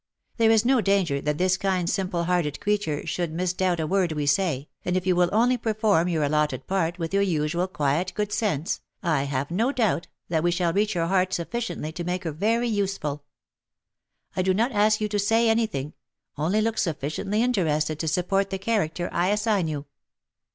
There is no danger that this kind simple hearted creature should misdoubt a word we say, and if you will only perform your allotted part with your usual quiet good sense, I have no doubt but we shall reach her heart sufficiently to make her very useful. I do not ask you to say any thing — only look sufficiently interested to support the character I assign you."